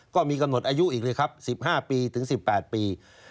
ก็มีกำหนดอายุอีกเลยครับ๑๕ปีถึง๑๘ปี